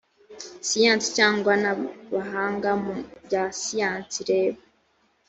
siyansi cyangwa n abahanga mu bya siyansi reba